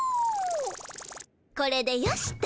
これでよしと。